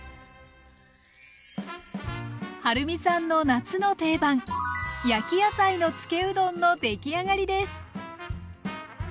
はるみさんの夏の定番焼き野菜のつけうどんのできあがりです。